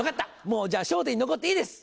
もうじゃあ『笑点』に残っていいです。